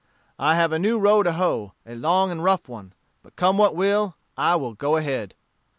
I have a new row to hoe, a long and rough one; but come what will, I will go ahead."